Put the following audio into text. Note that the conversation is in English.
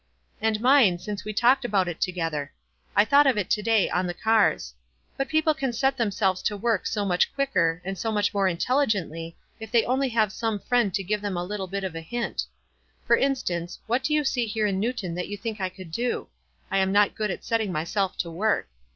" And mine, since we talked about it together. I thought of it to day on the cars. But people can set themselves to work so much quicker, and so much more intelligently, if they only have some friend to giro them a little bit of a hint. For instance, what do you see here in Xewton that you think 1 could do? I'm not good at setting myself to work.